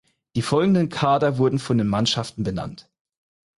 Die folgenden Kader wurden von den Mannschaften benannt.